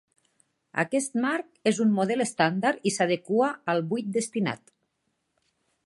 Aquest marc és un model estàndard i s'adequa al buit destinat.